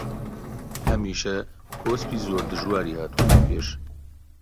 هەمیشە کۆسپی زۆر دژواری هاتۆتە پێش